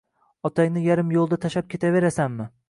Otangni yarim yoʻlda tashlab ketaverasanmi?